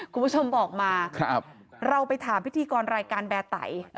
คุณผู้ชมบอกมาเราไปถามพิธีกรรายการแบร์ไต